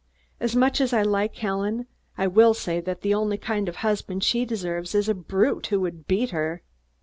As much as I like Helen, I will say that the only kind of husband she deserves is a brute who would beat her.